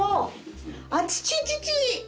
あちちち！